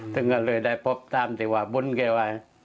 ซึ่งก็เลยได้พบตามที่ว่าบุญแกไว้